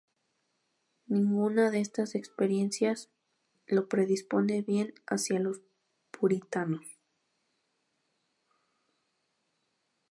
Ninguna de estas experiencias lo predispone bien hacia los puritanos.